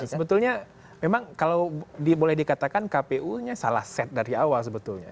sebetulnya memang kalau boleh dikatakan kpu nya salah set dari awal sebetulnya